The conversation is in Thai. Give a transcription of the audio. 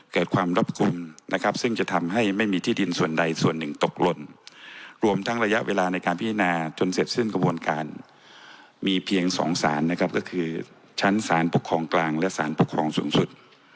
เกิดความรับกลุ่มนะครับซึ่งจะทำให้ไม่มีที่ดินส่วนใดส่วนหนึ่งตกหล่นรวมทั้งระยะเวลาในการพิจารณาจนเสร็จสิ้นกระบวนการมีเพียงสองสารนะครับก็คือชั้นสารปกครองกลางและสารปกครองสูงสุด